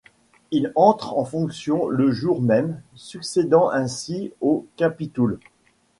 Il entre en fonctions le jour même, succédant ainsi aux capitouls.